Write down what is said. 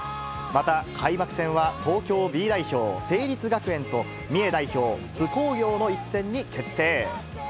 また、開幕戦は東京Ｂ代表、成立学園と、三重代表、津工業の一戦に決定。